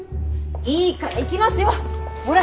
いいから行きますよほら！